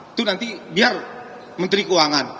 itu nanti biar menteri keuangan